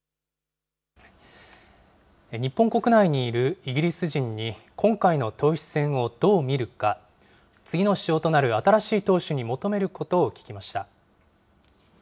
日本国内にいるイギリス人に、今回の党首選をどう見るか、次の首相となる新しい党首に求めることを聞きました。